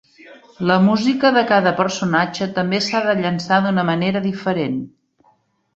La música de cada personatge també s'ha de llançar d'una manera diferent.